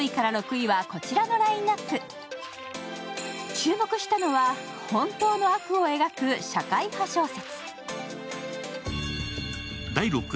注目したのは、本当の悪を描く社会派小説。